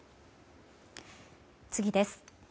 次です。